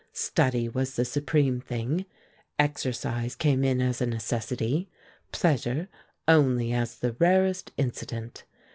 Study was the supreme thing; exercise came in as a necessity, pleasure only as the rarest incident.